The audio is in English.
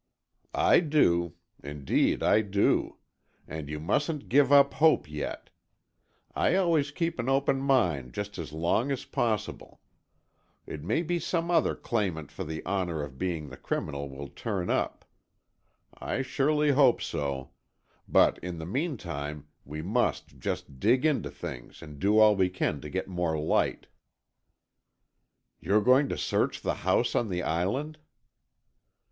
"I do. Indeed, I do. And you mustn't give up hope yet. I always keep an open mind just as long as possible. It may be some other claimant for the honour of being the criminal will turn up. I surely hope so. But in the meantime we must just dig into things and do all we can to get more light." "You're going to search the house on the Island?"